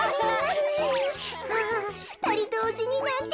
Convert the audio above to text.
あふたりどうじになんて。